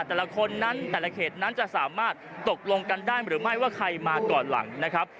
แต่ละคนนั้นแต่ละเขตนั้นจะสามารถตกลงกันได้หรือไม่ว่าใครมาก่อนหลังนะครับ